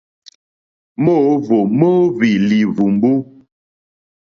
Móǒhwò móóhwì lìhwùmbú.